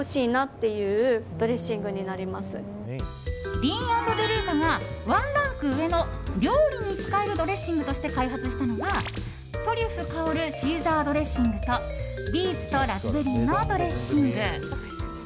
ＤＥＡＮ＆ＤＥＬＵＣＡがワンランク上の料理に使えるドレッシングとして開発したのがトリュフ香るシーザードレッシングとビーツとラズベリーのドレッシング。